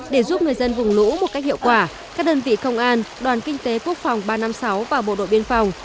để giúp người dân vùng lũ một cách hiệu quả các đơn vị công an đoàn kinh tế quốc phòng ba trăm năm mươi sáu và bộ đội biên phòng